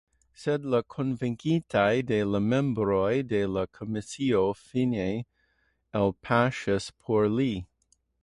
Sed la konvinkitaj de la membroj de la komisio fine elpaŝas por li.